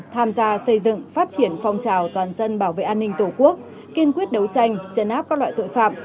tham gia xây dựng phát triển phong trào toàn dân bảo vệ an ninh tổ quốc kiên quyết đấu tranh chấn áp các loại tội phạm